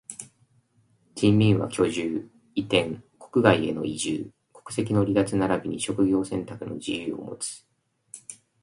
人民は居住、移転、国外への移住、国籍の離脱ならびに職業選択の自由をもつ。